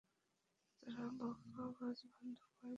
তোর বাকোয়াজ বন্ধ কর তো ভাই।